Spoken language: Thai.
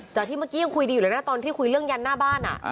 จากที่เมื่อกี้ยังคุยดีอยู่เลยนะตอนที่คุยเรื่องยันหน้าบ้าน